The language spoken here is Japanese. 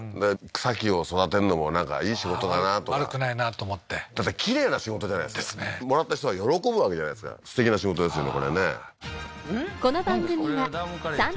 草木を育てるのもなんかいい仕事だなとか悪くないなと思ってだってきれいな仕事じゃないですかもらった人が喜ぶわけじゃないですかすてきな仕事ですよね